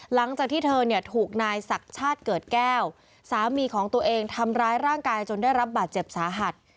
หลังจากที่เธอเนี่ยถูกนายศักดิ์ชาติเกิดแก้วสามีของตัวเองทำร้ายร่างกายจนได้รับบาดเจ็บสาหัส